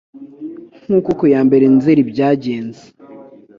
Nk'uko ku ya mbere Nzeri byagenze